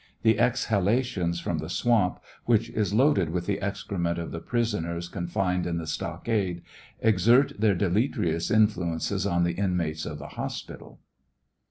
The exhalations from the swamp, which is loaded with the excrement of the prisoners confined in the stockade, exert their deleterious influences on the inmates of the hospital.